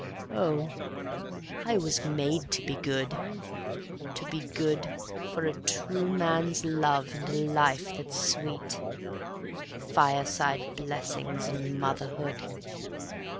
Oh, I was made to be good, to be good, For a true man's love and a life that's sweet; Fireside blessings and motherhood.